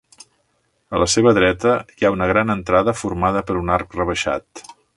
A la seva dreta hi ha una gran entrada formada per un arc rebaixat.